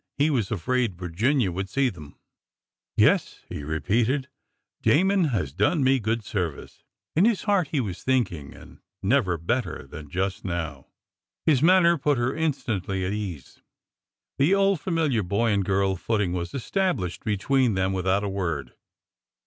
He was afraid Virginia would see them. '' Yes," he repeated ;'' Damon has done me good ser vice." In his heart he was thinking, '' And never better than just now." His manner put her instantly at ease. The old familiar boy and girl footing was established between them with out a word.